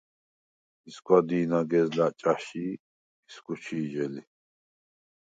ისგვა დი̄ნაგეზლა̈ ჭა̈ში ისგუ ჩი̄ჟე ლი.